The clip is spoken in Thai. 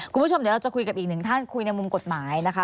คุณผู้ชมเดี๋ยวเราจะคุยกับอีกหนึ่งท่านคุยในมุมกฎหมายนะคะ